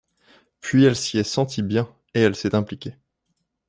Puis elle s’y est sentie bien, et elle s’est impliquée.